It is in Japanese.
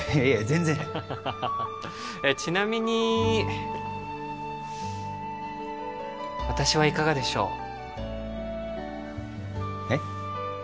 全然ちなみに私はいかがでしょうえっ？